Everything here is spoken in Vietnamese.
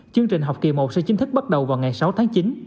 chương trình học kỳ một sẽ chính thức bắt đầu vào ngày sáu tháng chín